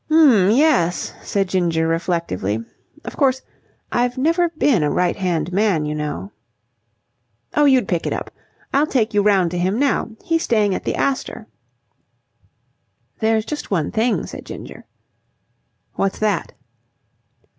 "'M yes," said Ginger reflectively. "Of course, I've never been a right hand man, you know." "Oh, you'd pick it up. I'll take you round to him now. He's staying at the Astor." "There's just one thing," said Ginger. "What's that?"